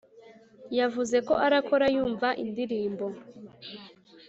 yavuze ko arakora yumva indirimbo